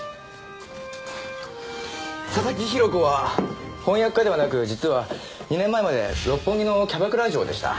佐々木広子は翻訳家ではなく実は２年前まで六本木のキャバクラ嬢でした。